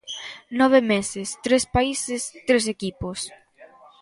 Nove meses, tres países, tres equipos.